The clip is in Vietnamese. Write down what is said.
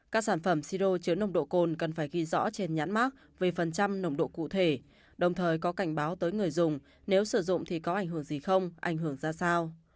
các sản phẩm siro chứa nồng độ cồn cần phải ghi rõ trên nhãn mát về phần trăm nồng độ cụ thể đồng thời có cảnh báo tới người dùng nếu sử dụng thì có ảnh hưởng gì không ảnh hưởng ra sao